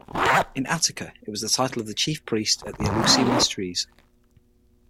In Attica it was the title of the chief priest at the Eleusinian Mysteries.